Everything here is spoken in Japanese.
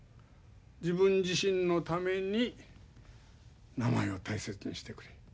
自分自身のために名前を大切にしてくれ。